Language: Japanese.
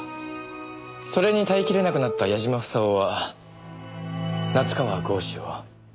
それに耐えきれなくなった矢嶋房夫は夏河郷士を。